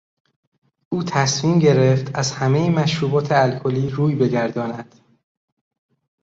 او تصمیم گرفت از همهی مشروبات الکلی روی بگرداند.